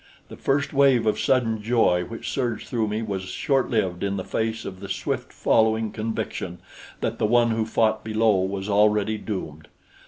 The first wave of sudden joy which surged through me was short lived in the face of the swift following conviction that the one who fought below was already doomed.